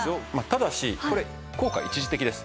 ただしこれ効果一時的です。